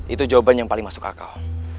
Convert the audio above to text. itu jawaban yang paling masuk akal